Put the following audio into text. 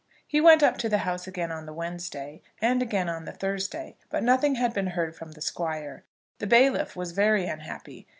He went up to the house again on the Wednesday, and again on the Thursday, but nothing had been heard from the Squire. The bailiff was very unhappy.